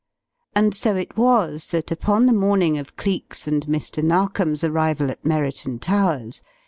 And so it was that upon the morning of Cleek's and Mr. Narkom's arrival at Merriton Towers.